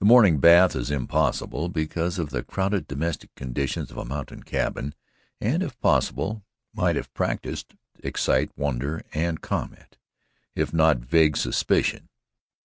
The morning bath is impossible because of the crowded domestic conditions of a mountain cabin and, if possible, might if practised, excite wonder and comment, if not vague suspicion.